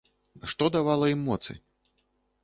Што давала ім моцы?